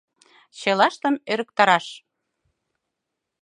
Чылаштым ӧрыктараш.